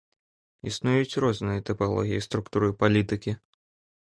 Існуюць розныя тыпалогіі структуры палітыкі.